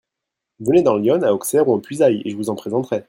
Venez dans l’Yonne, à Auxerre ou en Puisaye, et je vous en présenterai.